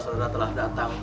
saudara saudara telah datang